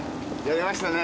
やりましたね。